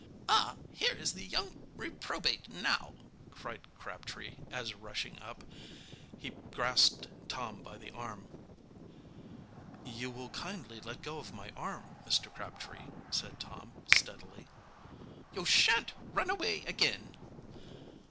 "Ah! Here is the young reprobate now!" cried Crabtree, as rushing up, he grasped Tom by the arm. "You will kindly let go of my arm, Mr. Crabtree," said Tom steadily. "You shan't run away again!"